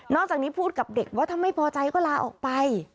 จากนี้พูดกับเด็กว่าถ้าไม่พอใจก็ลาออกไป